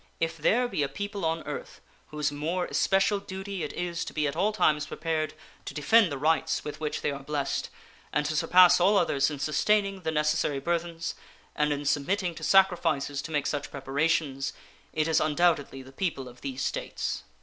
If there be a people on earth whose more especial duty it is to be at all times prepared to defend the rights with which they are blessed, and to surpass all others in sustaining the necessary burthens, and in submitting to sacrifices to make such preparations, it is undoubtedly the people of these States.